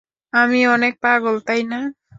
আমি অনেক পাগল তাই না?